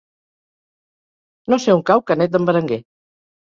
No sé on cau Canet d'en Berenguer.